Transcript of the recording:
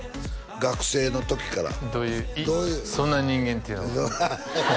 学生の時からどういうそんな人間っていうのは？